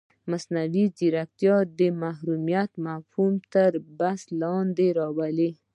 مصنوعي ځیرکتیا د محرمیت مفهوم تر بحث لاندې راولي.